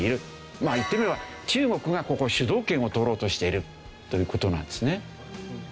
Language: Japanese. まあ言ってみれば中国がここの主導権を取ろうとしているという事なんですね。